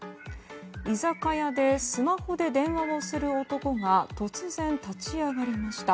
居酒屋でスマホで電話をする男が突然立ち上がりました。